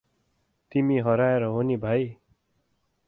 तिमी हराएर हो नि भाई ।